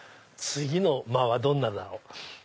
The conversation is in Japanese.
次の間はどんなだろう？